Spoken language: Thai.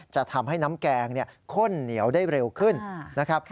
จะทำให้น้ำแกงข้นเหนียวได้เร็วขึ้นนะครับ